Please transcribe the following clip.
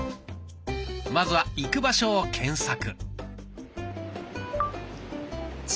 まずは行く場所を検索。